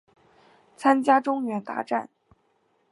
参加中原大战。